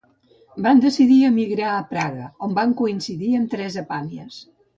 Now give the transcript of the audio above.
Van decidir emigrar a Praga on van coincidir amb Teresa Pàmies.